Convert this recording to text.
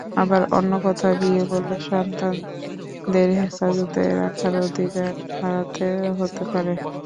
আবার অন্য কোথাও বিয়ে করলে সন্তানদের হেফাজতে রাখার অধিকার হারাতে হতে পারে।